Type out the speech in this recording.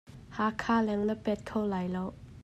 Hakha leng na pet kho lai lo.